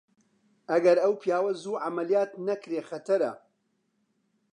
ئەگەر ئەو پیاوە زوو عەمەلیات نەکرێ خەتەرە!